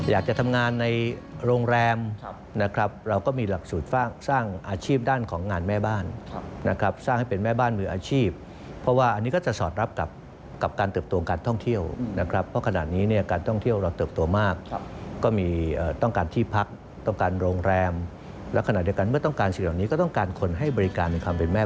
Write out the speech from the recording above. อยากจะทำงานในโรงแรมนะครับเราก็มีหลักสูตรสร้างอาชีพด้านของงานแม่บ้านนะครับสร้างให้เป็นแม่บ้านมืออาชีพเพราะว่าอันนี้ก็จะสอดรับกับการเติบตัวการท่องเที่ยวนะครับเพราะขณะนี้เนี่ยการท่องเที่ยวเราเติบโตมากก็มีต้องการที่พักต้องการโรงแรมและขณะเดียวกันเมื่อต้องการสิ่งเหล่านี้ก็ต้องการคนให้บริการในความเป็นแม่